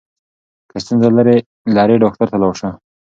که ستونزه لرې ډاکټر ته ولاړ شه.